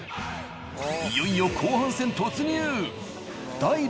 いよいよ後半戦突入。